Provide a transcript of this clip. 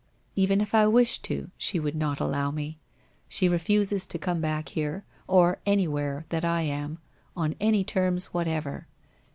Even if I wished to she would not allow me. She refuses to come back here, or anywhere that I am, on any terms whatever.